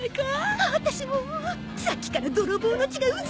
あたしもさっきから泥棒の血がうずいてた。